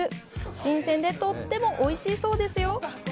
新鮮でとってもおいしいそうですよ。